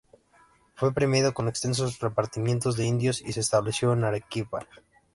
Fue premiado con extensos repartimientos de indios y se estableció en Arequipa.